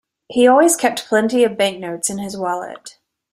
He always kept plenty of banknotes in his wallet